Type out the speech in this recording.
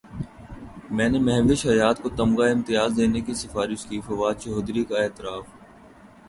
میں نے مہوش حیات کو تمغہ امتیاز دینے کی سفارش کی فواد چوہدری کا اعتراف